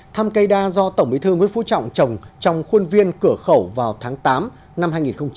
thăm cây đa do tổng bí thư nguyễn phú trọng trồng trong khuôn viên cửa khẩu vào tháng tám năm hai nghìn hai mươi ba